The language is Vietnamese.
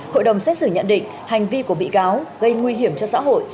hội đồng xét xử nhận định hành vi của bị cáo gây nguy hiểm cho xã hội